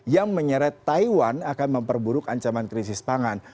yang menyeret taiwan akan memperburuk ancaman krisis pangan